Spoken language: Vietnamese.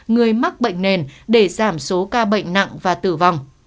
người mắc bệnh nền để giảm số ca bệnh nặng và tử vong